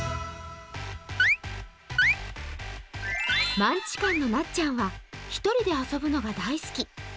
マンチカンのなっちゃんは一人で遊ぶのが大好き。